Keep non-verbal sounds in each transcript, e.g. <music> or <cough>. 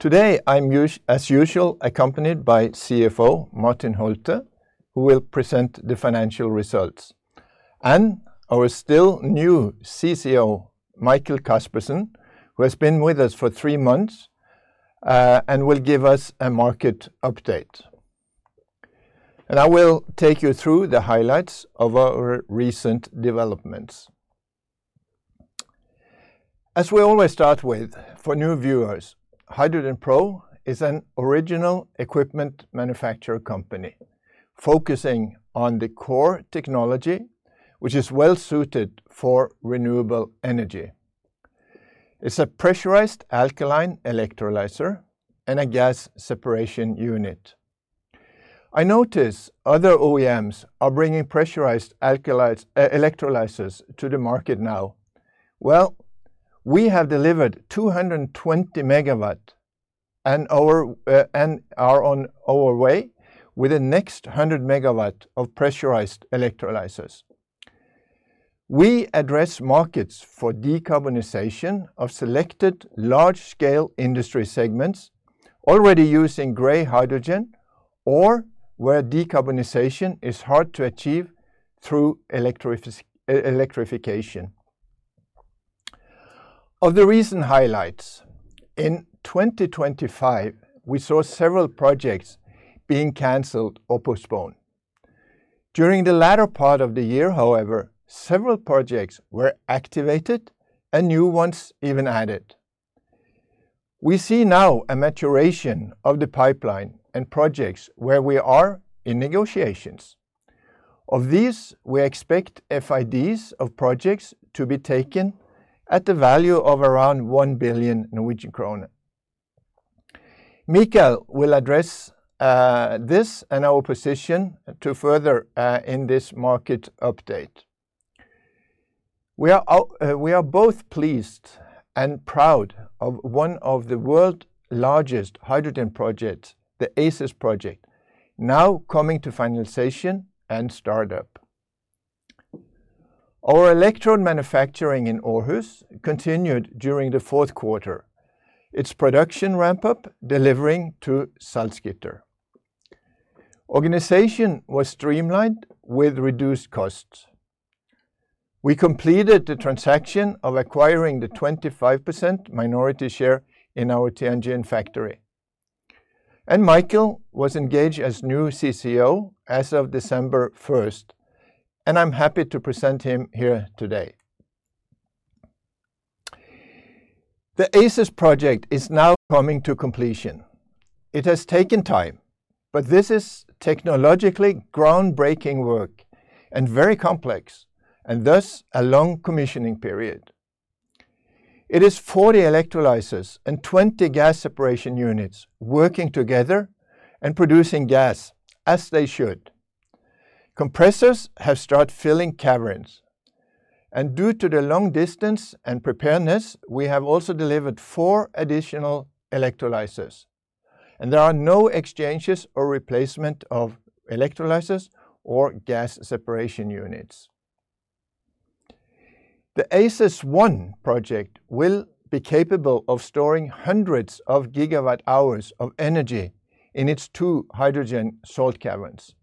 Today, I'm as usual, accompanied by CFO Martin Holtet, who will present the financial results, and our still new CCO, Michael Caspersen, who has been with us for three months, and will give us a market update. I will take you through the highlights of our recent developments. As we always start with, for new viewers, HydrogenPro is an original equipment manufacturer company focusing on the core technology, which is well-suited for renewable energy. It's a pressurized alkaline electrolyzer and a gas separation unit. I notice other OEMs are bringing pressurized electrolyzers to the market now. Well, we have delivered 220 MW and are on our way with the next 100 MW of pressurized electrolyzers. We address markets for decarbonization of selected large-scale industry segments already using gray hydrogen, or where decarbonization is hard to achieve through electrification. Of the recent highlights, in 2025, we saw several projects being canceled or postponed. During the latter part of the year, however, several projects were activated and new ones even added. We see now a maturation of the pipeline and projects where we are in negotiations. Of these, we expect FIDs of projects to be taken at the value of around 1 billion Norwegian kroner. Michael will address this and our position to further in this market update. We are both pleased and proud of one of the world's largest hydrogen projects, the ACES project, now coming to finalization and startup. Our electrode manufacturing in Aarhus continued during the fourth quarter. Its production ramp-up delivering to Salzgitter. Organization was streamlined with reduced costs. We completed the transaction of acquiring the 25% minority share in our Tianjin factory. Michael was engaged as new CCO as of December first, and I'm happy to present him here today. The ACES project is now coming to completion. It has taken time, but this is technologically groundbreaking work and very complex, and thus, a long commissioning period. It is 40 electrolyzers and 20 gas separation units working together and producing gas as they should. Compressors have started filling caverns, and due to the long distance and preparedness, we have also delivered four additional electrolyzers, and there are no exchanges or replacement of electrolyzers or gas separation units. The ACES 1 project will be capable of storing hundreds of gigawatt hours of energy in its two hydrogen salt caverns.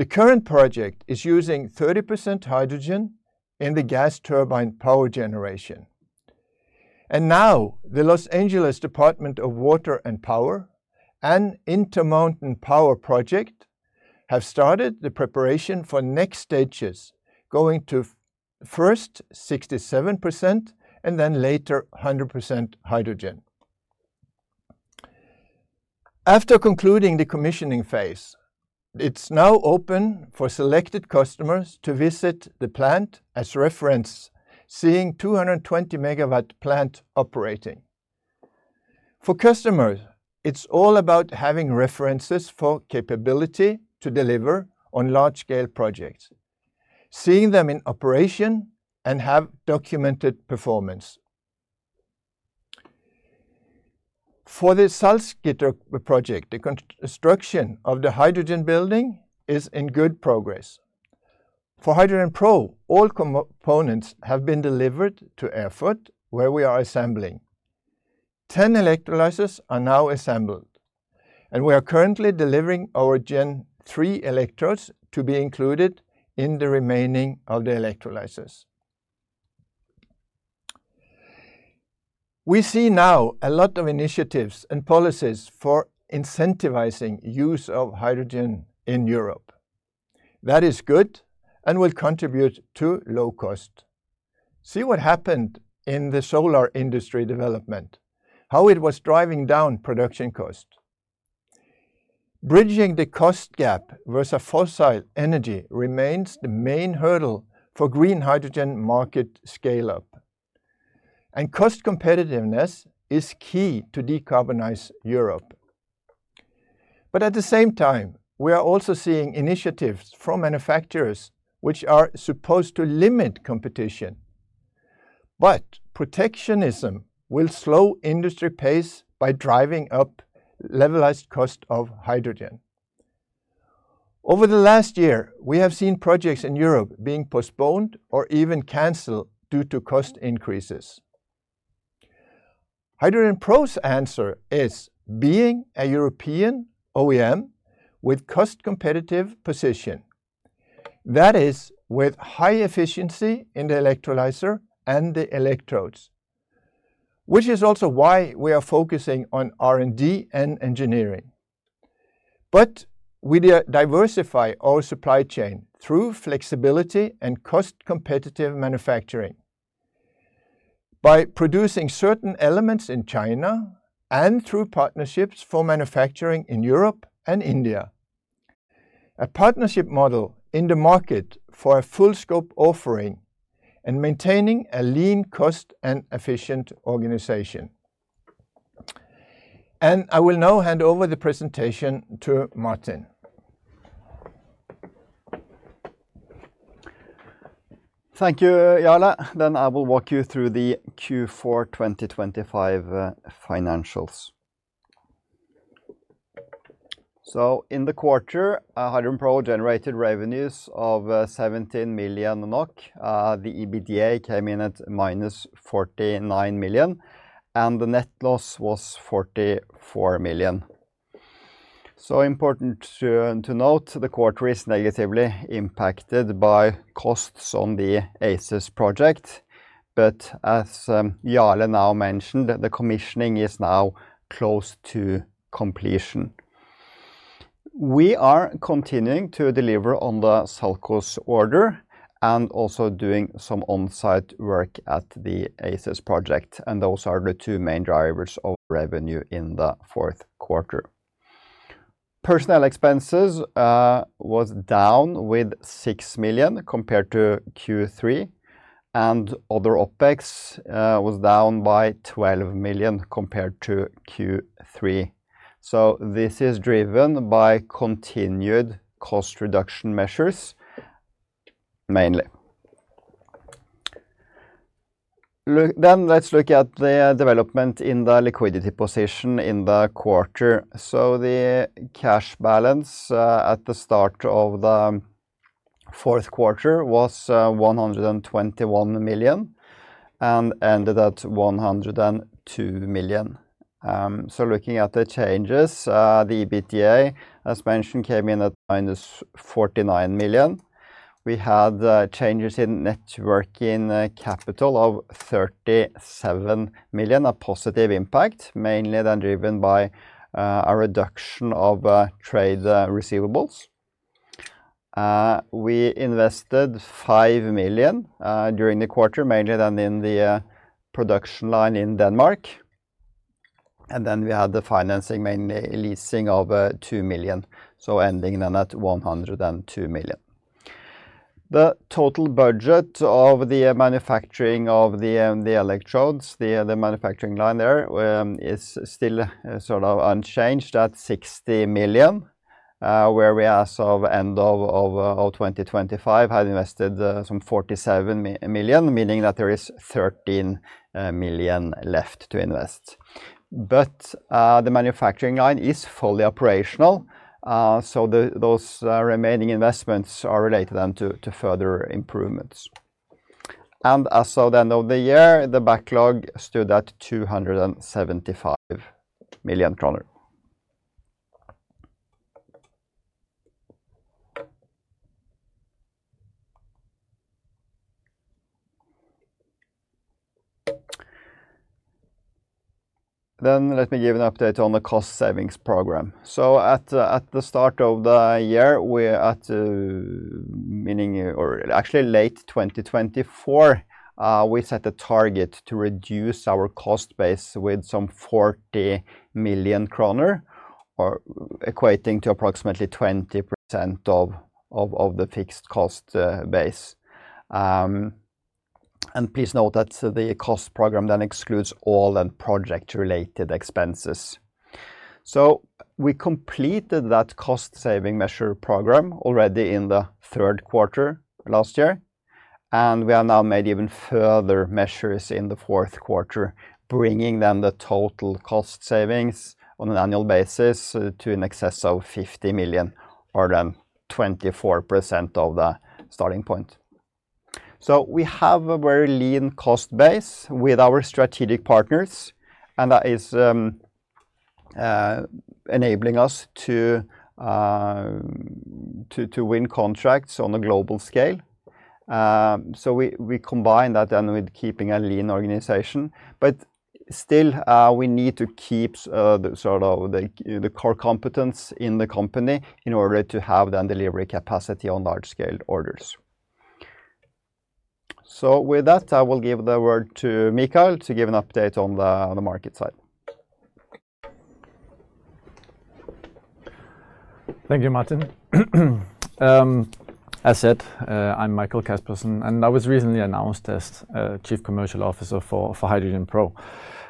The current project is using 30% hydrogen in the gas turbine power generation. Now, the Los Angeles Department of Water and Power and Intermountain Power Project have started the preparation for next stages, going to first 67% and then later 100% hydrogen. After concluding the commissioning phase, it's now open for selected customers to visit the plant as reference, seeing 220 MW plant operating. For customers, it's all about having references for capability to deliver on large-scale projects, seeing them in operation and have documented performance. For the Salzgitter project, the construction of the hydrogen building is in good progress. For HydrogenPro, all components have been delivered to Erfurt, where we are assembling. 10 electrolyzers are now assembled, and we are currently delivering our Gen 3 electrodes to be included in the remaining of the electrolyzers. We see now a lot of initiatives and policies for incentivizing use of hydrogen in Europe. That is good and will contribute to low cost. See what happened in the solar industry development, how it was driving down production cost. Bridging the cost gap versus fossil energy remains the main hurdle for green hydrogen market scale-up. Cost competitiveness is key to decarbonize Europe. At the same time, we are also seeing initiatives from manufacturers which are supposed to limit competition. Protectionism will slow industry pace by driving up Levelized Cost of Hydrogen. Over the last year, we have seen projects in Europe being postponed or even canceled due to cost increases. HydrogenPro's answer is being a European OEM with cost competitive position. That is, with high efficiency in the electrolyzer and the electrodes, which is also why we are focusing on R&D and engineering. We diversify our supply chain through flexibility and cost-competitive manufacturing. By producing certain elements in China and through partnerships for manufacturing in Europe and India. A partnership model in the market for a full-scope offering and maintaining a lean cost and efficient organization. I will now hand over the presentation to Martin. Thank you, Jarle. I will walk you through the Q4 2025 financials. In the quarter, HydrogenPro generated revenues of 17 million NOK. The EBITDA came in at minus 49 million, and the net loss was 44 million. Important to note, the quarter is negatively impacted by costs on the ACES project, as Jarle now mentioned, the commissioning is now close to completion. We are continuing to deliver on the SALCOS order and also doing some on-site work at the ACES project, those are the two main drivers of revenue in the fourth quarter. Personnel expenses was down with 6 million compared to Q3, other OPEX was down by 12 million compared to Q3. This is driven by continued cost reduction measures, mainly. Then let's look at the development in the liquidity position in the quarter. The cash balance at the start of the fourth quarter was 121 million and ended at 102 million. Looking at the changes, the EBITDA, as mentioned, came in at minus 49 million. We had changes in net working capital of 37 million, a positive impact, mainly then driven by a reduction of trade receivables. We invested 5 million during the quarter, mainly then in the production line in Denmark. We had the financing, mainly leasing of 2 million, ending then at 102 million. The total budget of the manufacturing of the electrodes, the manufacturing line there, is still sort of unchanged at 60 million, where we, as of end of 2025, had invested some 47 million, meaning that there is 13 million left to invest. The manufacturing line is fully operational, so those remaining investments are related to further improvements. As of the end of the year, the backlog stood at 275 million kroner. Let me give an update on the cost savings program. At the start of the year, we're at, meaning actually late 2024, we set a target to reduce our cost base with some 40 million kroner, or equating to approximately 20% of the fixed cost base. Please note that the cost program excludes all the project-related expenses. We completed that cost-saving measure program already in the third quarter last year, and we have now made even further measures in the fourth quarter, bringing the total cost savings on an annual basis to in excess of 50 million or 24% of the starting point. We have a very lean cost base with our strategic partners, and that is enabling us to win contracts on a global scale. We combine that with keeping a lean organization, still we need to keep the sort of the core competence in the company in order to have the delivery capacity on large-scale orders. With that, I will give the word to Michael to give an update on the market side. Thank you, Martin. As said, I'm Michael Caspersen, and I was recently announced as Chief Commercial Officer for HydrogenPro.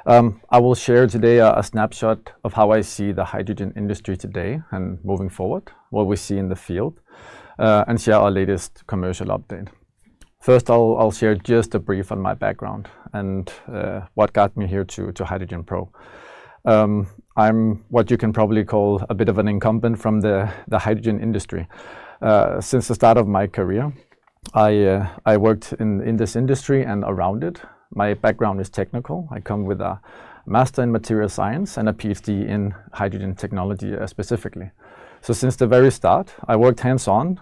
I will share today a snapshot of how I see the hydrogen industry today and moving forward, what we see in the field, and share our latest commercial update. First, I'll share just a brief on my background and what got me here to HydrogenPro. I'm what you can probably call a bit of an incumbent from the hydrogen industry. Since the start of my career, I worked in this industry and around it. My background is technical. I come with a master in materials science and a PhD in hydrogen technology specifically. Since the very start, I worked hands-on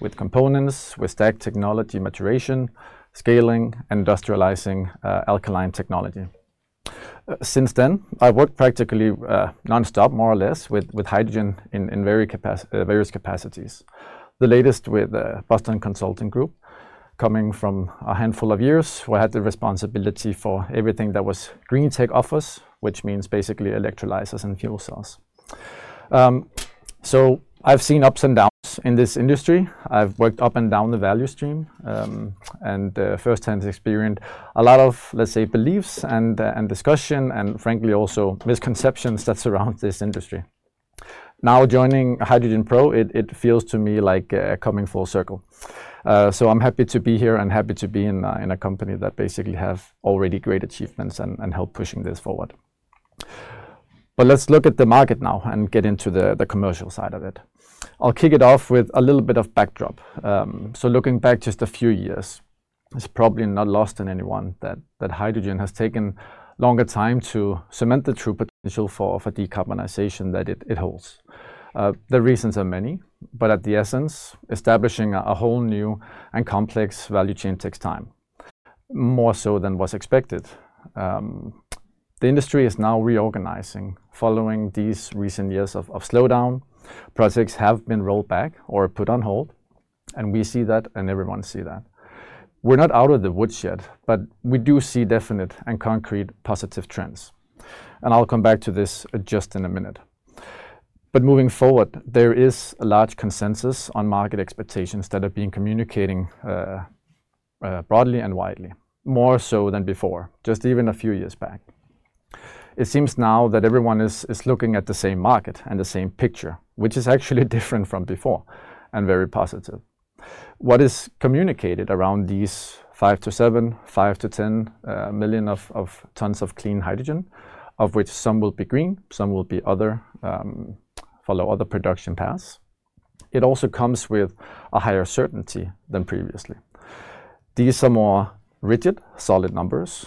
with components, with stack technology, maturation, scaling, industrializing alkaline technology. Since then, I've worked practically nonstop, more or less, with hydrogen in various capacities. The latest with Boston Consulting Group, coming from a handful of years, where I had the responsibility for everything that was green tech office, which means basically electrolyzers and fuel cells. I've seen ups and downs in this industry. I've worked up and down the value stream, and first-hand experienced a lot of, let's say, beliefs and discussion, and frankly, also misconceptions that surround this industry. Now, joining HydrogenPro, it feels to me like coming full circle. I'm happy to be here and happy to be in a company that basically have already great achievements and help pushing this forward. Let's look at the market now and get into the commercial side of it. I'll kick it off with a little bit of backdrop. Looking back just a few years, it's probably not lost on anyone that hydrogen has taken longer time to cement the true potential for decarbonization that it holds. The reasons are many, but at the essence, establishing a whole new and complex value chain takes time, more so than was expected. The industry is now reorganizing following these recent years of slowdown. Projects have been rolled back or put on hold, and we see that, and everyone sees that. We're not out of the woods yet, but we do see definite and concrete positive trends, and I'll come back to this just in a minute. Moving forward, there is a large consensus on market expectations that are being communicating broadly and widely, more so than before, just even a few years back. It seems now that everyone is looking at the same market and the same picture, which is actually different from before and very positive. What is communicated around these 5-7 million tons, 5-10 million tons of clean hydrogen, of which some will be green, some will be other, follow other production paths. It also comes with a higher certainty than previously. These are more rigid, solid numbers.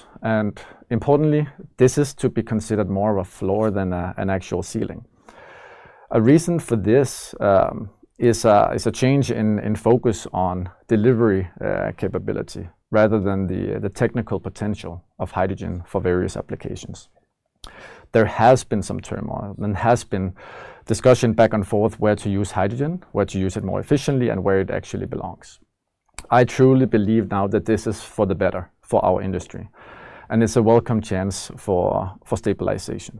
Importantly, this is to be considered more of a floor than an actual ceiling. A reason for this is a change in focus on delivery capability, rather than the technical potential of hydrogen for various applications. There has been some turmoil and has been discussion back and forth, where to use hydrogen, where to use it more efficiently, and where it actually belongs. I truly believe now that this is for the better for our industry, and it's a welcome chance for stabilization.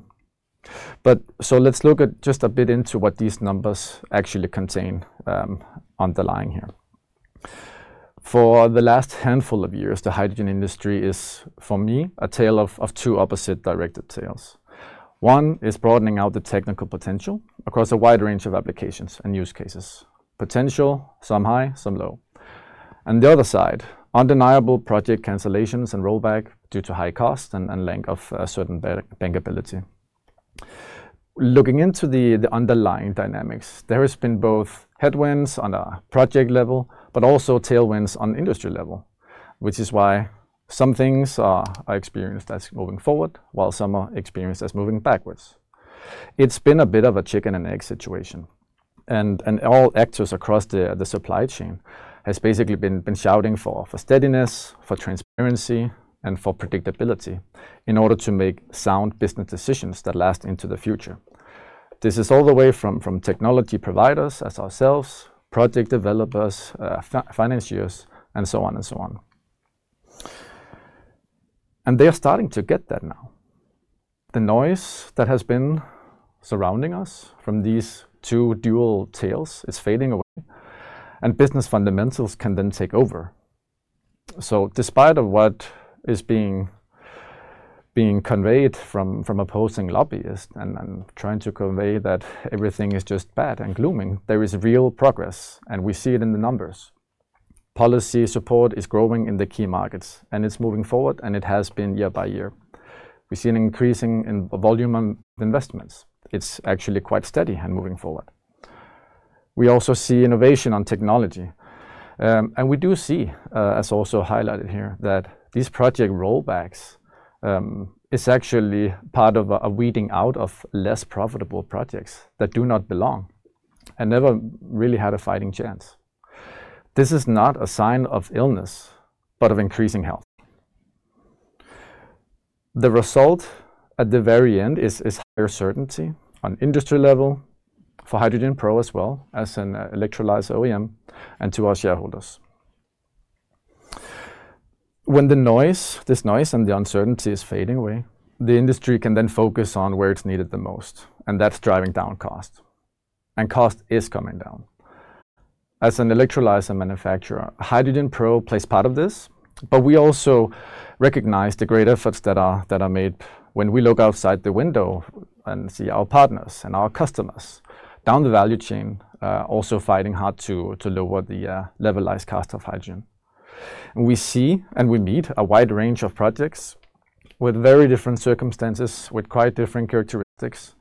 Let's look at just a bit into what these numbers actually contain underlying here. For the last handful of years, the hydrogen industry is, for me, a tale of two opposite-directed tales. One is broadening out the technical potential across a wide range of applications and use cases. Potential, some high, some low. The other side, undeniable project cancellations and rollback due to high cost and length of certain bankability. Looking into the underlying dynamics, there has been both headwinds on a project level, but also tailwinds on industry level, which is why some things are experienced as moving forward, while some are experienced as moving backwards. It's been a bit of a chicken and egg situation, and all actors across the supply chain has basically been shouting for steadiness, for transparency, and for predictability in order to make sound business decisions that last into the future. This is all the way from technology providers as ourselves, project developers, financiers, and so on and so on. They are starting to get that now. The noise that has been surrounding us from these two dual tales is fading away. Business fundamentals can then take over. Despite of what is being conveyed from opposing lobbyists and trying to convey that everything is just bad and glooming, there is real progress, and we see it in the numbers. Policy support is growing in the key markets, and it's moving forward, and it has been year by year. We see an increasing in volume on investments. It's actually quite steady and moving forward. We also see innovation on technology, and we do see, as also highlighted here, that these project rollbacks is actually part of a weeding out of less profitable projects that do not belong and never really had a fighting chance. This is not a sign of illness, but of increasing health. The result at the very end is higher certainty on industry level for HydrogenPro as well as an electrolyzer OEM and to our shareholders. When the noise, this noise and the uncertainty is fading away, the industry can then focus on where it's needed the most, and that's driving down cost, and cost is coming down. As an electrolyzer manufacturer, HydrogenPro plays part of this, but we also recognize the great efforts that are made when we look outside the window and see our partners and our customers down the value chain, also fighting hard to lower the Levelized Cost of Hydrogen. We see, and we meet a wide range of projects with very different circumstances, with quite different characteristics,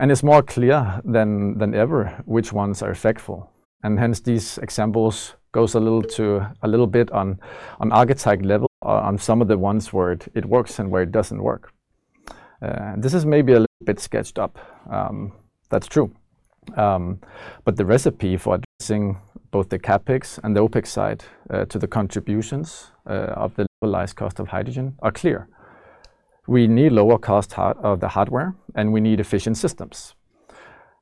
and it's more clear than ever, which ones are effective. Hence, these examples goes a little to, a little bit on archetype level, on some of the ones where it works and where it doesn't work. This is maybe a little bit sketched up. That's true. The recipe for addressing both the CapEx and the OpEx side to the contributions of the Levelized Cost of Hydrogen are clear. We need lower cost the hardware, and we need efficient systems.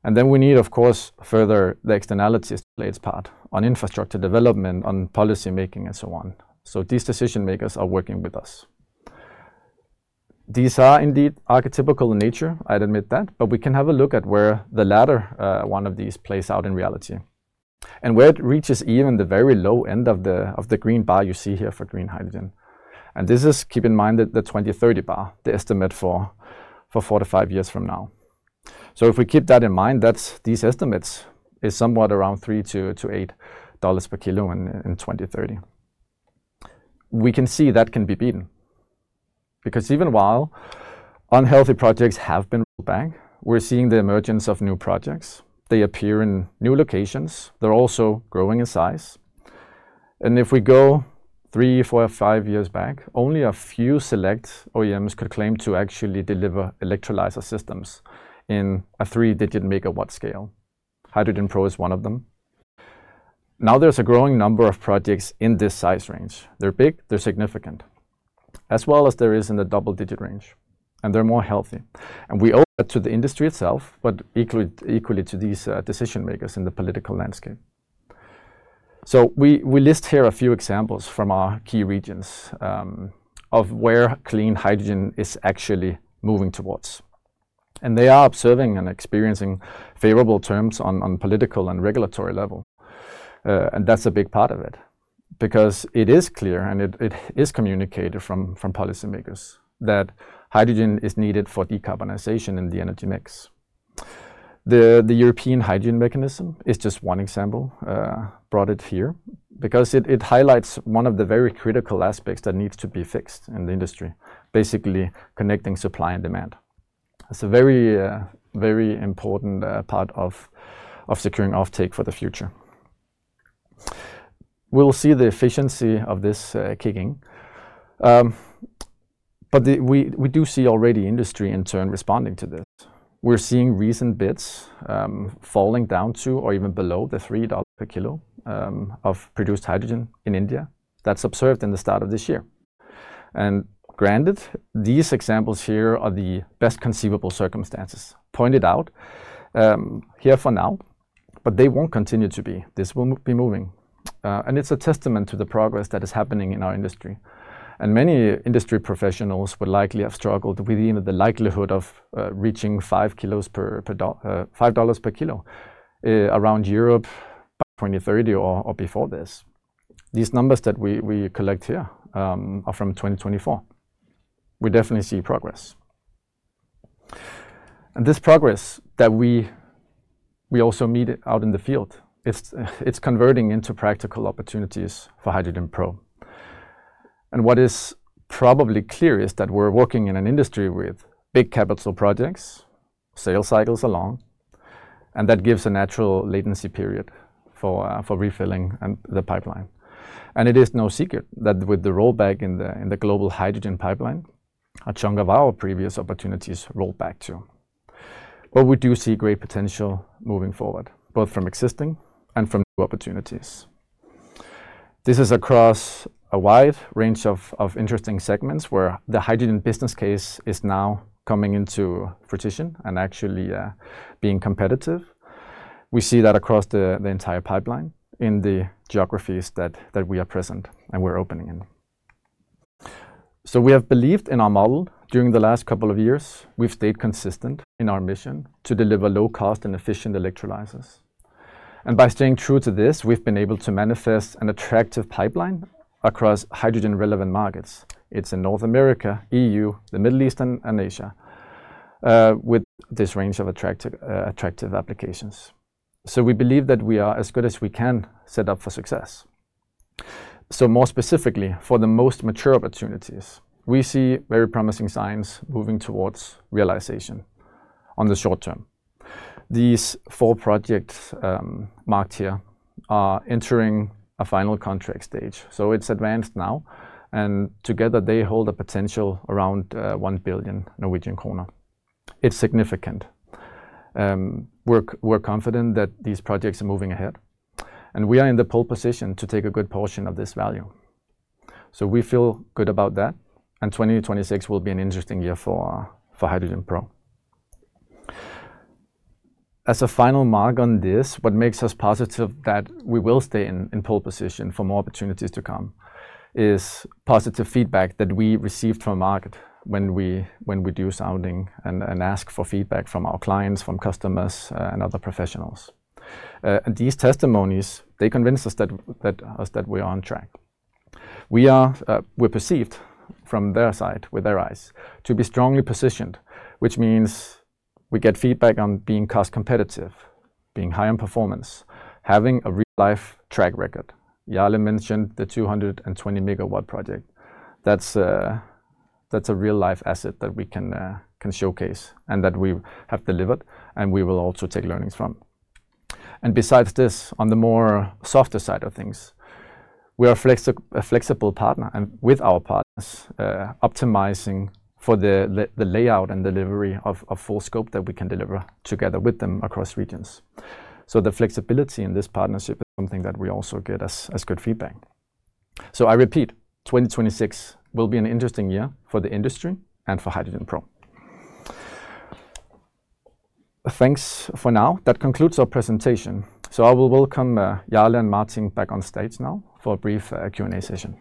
We need, of course, further the externalities plays part on infrastructure development, on policymaking, and so on. These decision makers are working with us. These are indeed archetypical in nature, I'd admit that. We can have a look at where the latter, one of these plays out in reality, and where it reaches even the very low end of the green bar you see here for green hydrogen. This is, keep in mind, that the 2030 bar, the estimate for 4-5 years from now. If we keep that in mind, that's these estimates, is somewhat around $3-$8 per kilo in 2030. We can see that can be beaten because even while unhealthy projects have been rolled back, we're seeing the emergence of new projects. They appear in new locations. They're also growing in size. If we go 3, 4, or 5 years back, only a few select OEMs could claim to actually deliver electrolyzer systems in a three-digit MW scale. HydrogenPro is one of them. Now, there's a growing number of projects in this size range. They're big, they're significant, as well as there is in the double digit range, and they're more healthy. We owe it to the industry itself, but equally to these decision makers in the political landscape. We list here a few examples from our key regions of where clean hydrogen is actually moving towards. They are observing and experiencing favorable terms on political and regulatory level. That's a big part of it, because it is clear and it is communicated from policymakers, that hydrogen is needed for decarbonization in the energy mix. The European Hydrogen Mechanism is just one example. brought it here because it highlights one of the very critical aspects that needs to be fixed in the industry, basically connecting supply and demand. It's a very important part of securing offtake for the future. We'll see the efficiency of this kicking. But we do see already industry in turn responding to this. We're seeing recent bids falling down to or even below the $3 per kilo of produced hydrogen in India. That's observed in the start of this year. Granted, these examples here are the best conceivable circumstances pointed out here for now, but they won't continue to be. This will be moving. And it's a testament to the progress that is happening in our industry. Many industry professionals would likely have struggled with even the likelihood of reaching $5 kilos per – $5 per kilo around Europe by 2030 or before this. These numbers that we collect here are from 2024. We definitely see progress. This progress that we also meet it out in the field, it's converting into practical opportunities for HydrogenPro. What is probably clear is that we're working in an industry with big capital projects, sales cycles along, and that gives a natural latency period for refilling and the pipeline. It is no secret that with the rollback in the global hydrogen pipeline, a chunk of our previous opportunities rolled back, too. We do see great potential moving forward, both from existing and from new opportunities. This is across a wide range of interesting segments, where the hydrogen business case is now coming into fruition and actually being competitive. We see that across the entire pipeline in the geographies that we are present and we're opening in. We have believed in our model during the last couple of years. We've stayed consistent in our mission to deliver low cost and efficient electrolyzers. By staying true to this, we've been able to manifest an attractive pipeline across hydrogen-relevant markets. It's in North America, EU, the Middle East, and Asia, with this range of attractive applications. We believe that we are as good as we can set up for success. More specifically, for the most mature opportunities, we see very promising signs moving towards realization on the short term. These four projects, marked here, are entering a final contract stage, so it's advanced now, and together, they hold a potential around 1 billion Norwegian kroner. It's significant. We're confident that these projects are moving ahead, and we are in the pole position to take a good portion of this value. We feel good about that, and 2026 will be an interesting year for HydrogenPro. As a final mark on this, what makes us positive that we will stay in pole position for more opportunities to come is positive feedback that we received from market when we do sounding and ask for feedback from our clients, from customers, and other professionals. These testimonies, they convince us that we are on track. we are, we're perceived from their side, with their eyes, to be strongly positioned, which means we get feedback on being cost competitive, being high on performance, having a real-life track record. Jarle mentioned the 220 MW project. That's a, that's a real-life asset that we can showcase, and that we have delivered, and we will also take learnings from. Besides this, on the more softer side of things, we are a flexible partner, and with our partners, optimizing for the layout and delivery of full scope that we can deliver together with them across regions. The flexibility in this partnership is something that we also get as good feedback. I repeat, 2026 will be an interesting year for the industry and for HydrogenPro. Thanks for now. That concludes our presentation. I will welcome, Jarle and Martin back on stage now for a brief, Q&A session.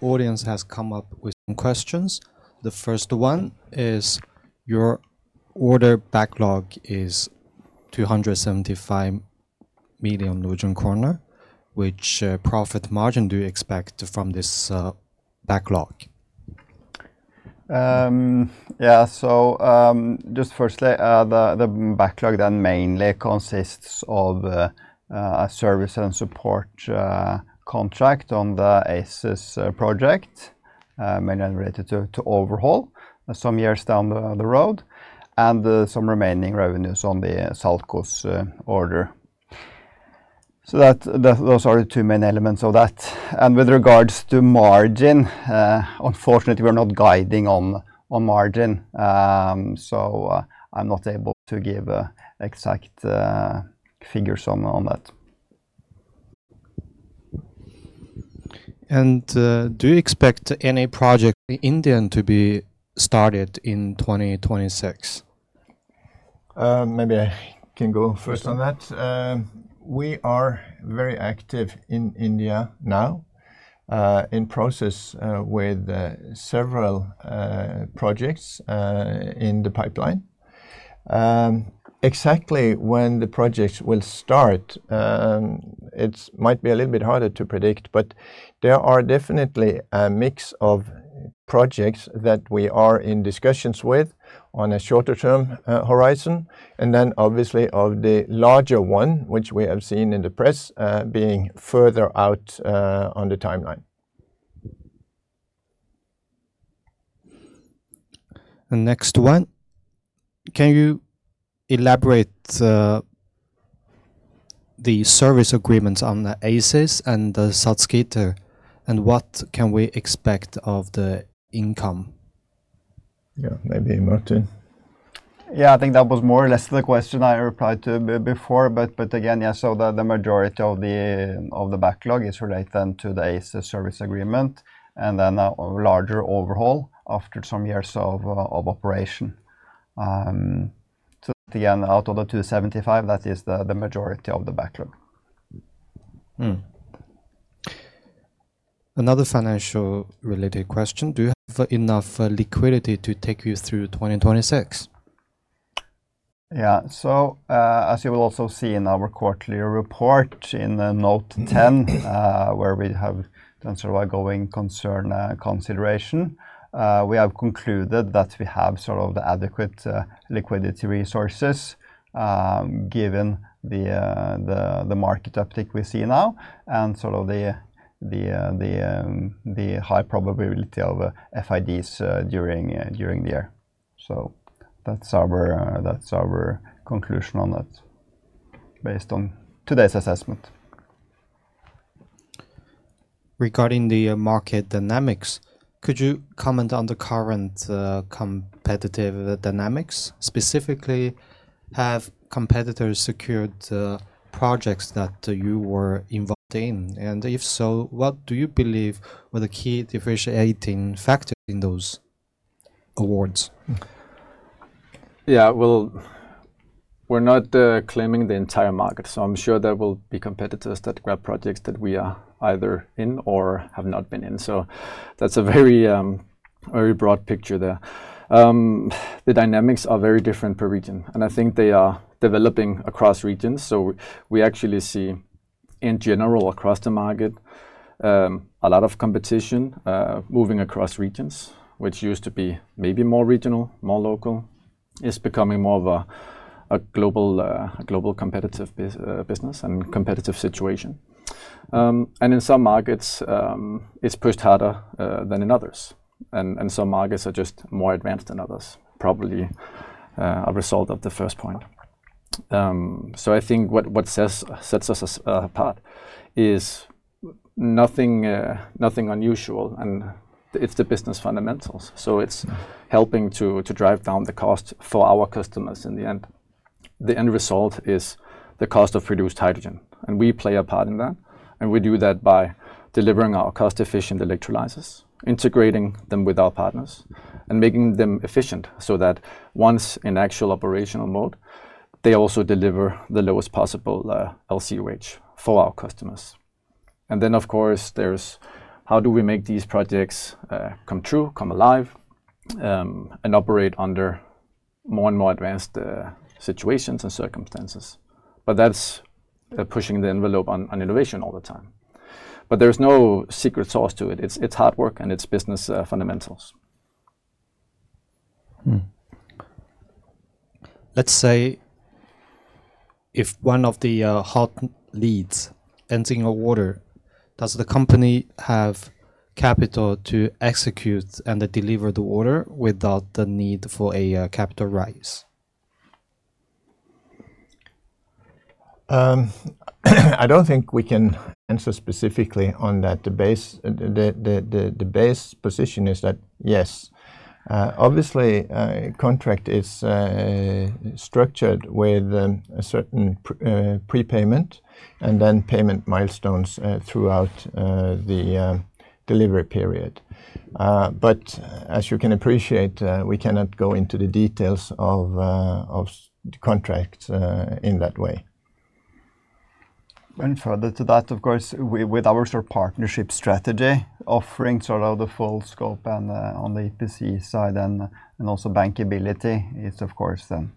Audience has come up with some questions. The first one is, "Your order backlog is 275 million kroner. Which profit margin do you expect from this backlog?" Just firstly, the backlog then mainly consists of a service and support contract on the ACES project, mainly related to overhaul some years down the road, and some remaining revenues on the SALCOS order. Those are the two main elements of that. With regards to margin, unfortunately, we're not guiding on margin. I'm not able to give exact figures on that. Do you expect any project in India to be started in 2026? Maybe I can go first on that. We are very active in India now, in process, with several projects in the pipeline. Exactly when the projects will start, it might be a little bit harder to predict, but there are definitely a mix of projects that we are in discussions with on a shorter-term horizon, and then obviously of the larger one, which we have seen in the press, being further out on the timeline. Next one, can you elaborate the service agreements on the ACES and the Salzgitter, and what can we expect of the income? Yeah, maybe Martin. I think that was more or less the question I replied to before, but again, the majority of the backlog is related then to the ACES service agreement, and then a larger overhaul after some years of operation. Out of the 275 million, that is the majority of the backlog. Another financial-related question: Do you have enough liquidity to take you through 2026? As you will also see in our quarterly report, in the note 10, where we have done sort of a going concern consideration, we have concluded that we have sort of the adequate liquidity resources, given the market uptick we see now, and sort of the high probability of FIDs during the year. That's our that's our conclusion on that, based on today's assessment. Regarding the market dynamics, could you comment on the current competitive dynamics? Specifically, have competitors secured projects that you were involved in, and if so, what do you believe were the key differentiating factors in those awards? We're not claiming the entire market, so I'm sure there will be competitors that grab projects that we are either in or have not been in. That's a very, very broad picture there. The dynamics are very different per region, and I think they are developing across regions. We actually see, in general, across the market, a lot of competition moving across regions, which used to be maybe more regional, more local. It's becoming more of a global, a global competitive business and competitive situation. In some markets, it's pushed harder than in others, and some markets are just more advanced than others, probably a result of the first point. I think what sets us as apart is nothing unusual, and it's the business fundamentals. It's helping to drive down the cost for our customers in the end. The end result is the cost of produced hydrogen, and we play a part in that, and we do that by delivering our cost-efficient electrolyzers, integrating them with our partners, and making them efficient so that once in actual operational mode, they also deliver the lowest possible LCOH for our customers. Then, of course, there's how do we make these projects come true, come alive, and operate under more and more advanced situations and circumstances? That's pushing the envelope on innovation all the time. There's no secret sauce to it. It's hard work and it's business fundamentals. Let's say if one of the hot leads ends in a order, does the company have capital to execute and deliver the order without the need for a capital rise? I don't think we can answer specifically on that. The base position is that, yes, obviously, a contract is structured with a certain prepayment, and then payment milestones throughout the delivery period. As you can appreciate, we cannot go into the details of the contracts in that way. Further to that, of course, with our sort of partnership strategy, offering sort of the full scope and on the EPC side and also bankability, it's of course, then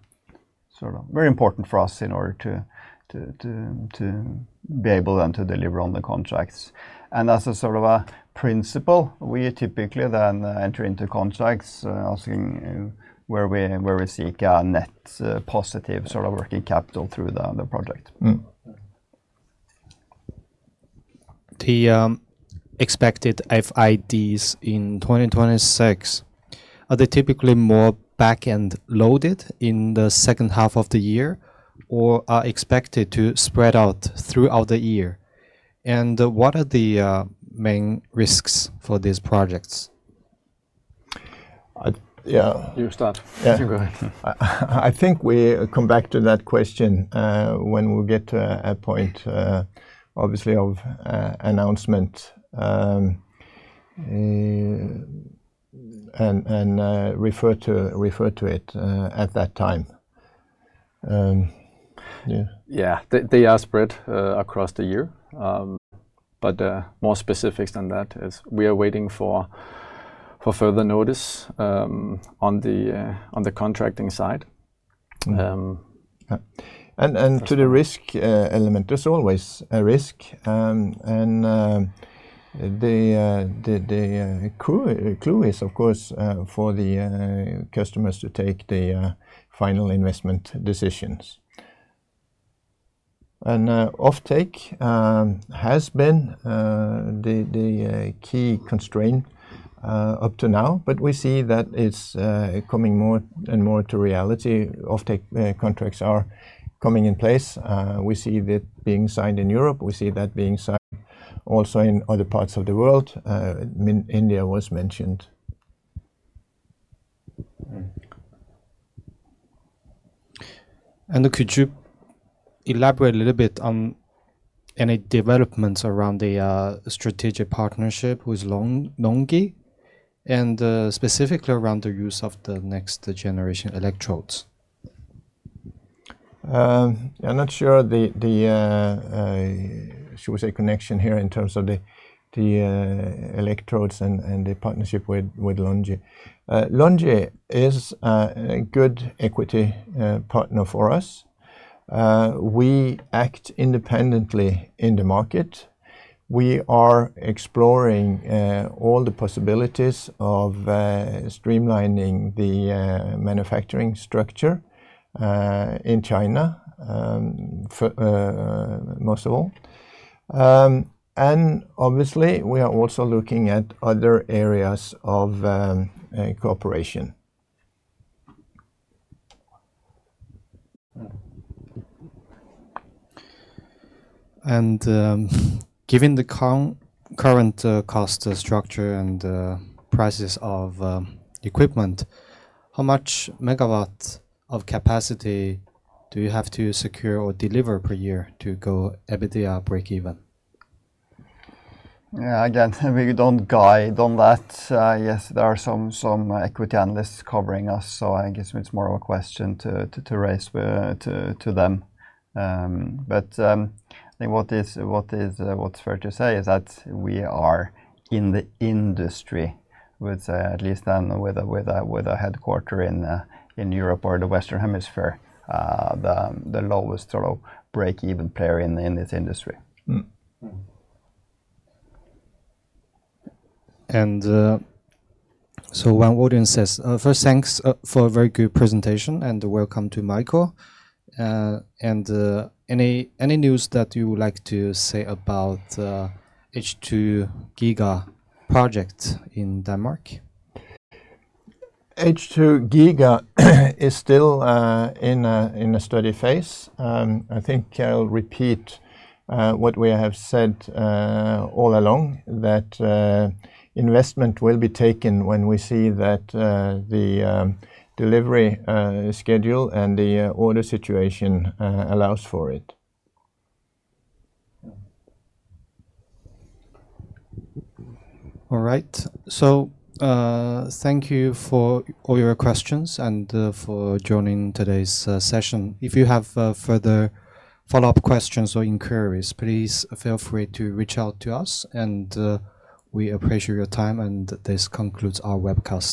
sort of very important for us in order to be able then to deliver on the contracts. As a sort of a principle, we typically then enter into contracts, asking where we seek a net positive sort of working capital through the project. Mm-hmm. The expected FIDs in 2026, are they typically more back-end loaded in the second half of the year or are expected to spread out throughout the year? What are the main risks for these projects? I <crosstalk> Yeah. You start. Yeah. You go ahead. I think we come back to that question when we get to a point obviously of announcement and refer to it at that time. Yeah. They are spread across the year, but more specifics than that is we are waiting for further notice on the contracting side. To the risk element, there's always a risk, and the clue is, of course, for the customers to take the Final Investment Decisions. Offtake has been the key constraint up to now, but we see that it's coming more and more to reality. Offtake contracts are coming in place. We see that being signed in Europe, we see that being signed also in other parts of the world, India was mentioned. Mm-hmm. Could you elaborate a little bit on any developments around the strategic partnership with LONGi, and specifically around the use of the next-generation electrodes? I'm not sure should we say, connection here in terms of the electrodes and the partnership with LONGi. LONGi is a good equity partner for us. We act independently in the market. We are exploring all the possibilities of streamlining the manufacturing structure in China, most of all. Obviously, we are also looking at other areas of cooperation. Given the current cost structure and prices of equipment, how much megawatt of capacity do you have to secure or deliver per year to go EBITDA breakeven? Again, we don't guide on that. Yes, there are some equity analysts covering us, I guess it's more of a question to raise with them. I think what is fair to say is that we are in the industry with at least a headquarter in Europe or the Western Hemisphere, the lowest sort of breakeven player in the industry. Mm-hmm. One audience says, "First, thanks for a very good presentation, and welcome to Michael. Any news that you would like to say about H2-GIGA project in Denmark?" H2-GIGA is still in a study phase. I think I'll repeat what we have said all along, that investment will be taken when we see that the delivery schedule and the order situation allows for it. All right. Thank you for all your questions and for joining today's session. If you have further follow-up questions or inquiries, please feel free to reach out to us, and we appreciate your time, and this concludes our webcast.